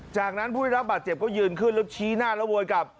จากนั้นผู้ได้รับบาดเจ็บก็ยืนขึ้นแล้วชี้หน้าแล้วโวยกลับ